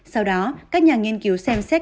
sau đó các nhà nghiên cứu xem xét